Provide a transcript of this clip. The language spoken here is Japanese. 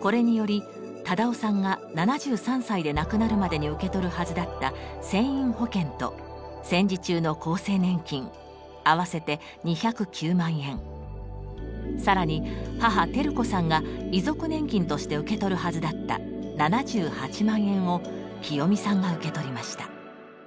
これにより忠雄さんが７３歳で亡くなるまでに受け取るはずだった船員保険と戦時中の厚生年金合わせて２０９万円さらに母・昭子さんが遺族年金として受け取るはずだった７８万円をきよみさんが受け取りました。